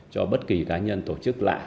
cho bất kỳ cá nhân tổ chức lạ